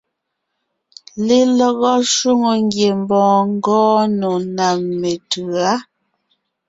Lelɔgɔ shwòŋo ngiembɔɔn ngɔɔn nò ná metʉ̌a.